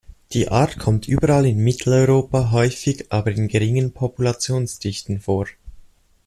Die Art kommt überall in Mitteleuropa häufig, aber in geringen Populationsdichten vor.